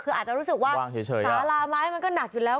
คืออาจจะรู้สึกว่าสาราไม้มันก็หนักอยู่แล้ว